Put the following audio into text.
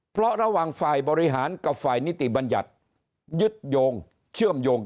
เพราะระหว่างฝ่ายบริหารกับฝ่ายนิติบัญญัติยึดโยงเชื่อมโยง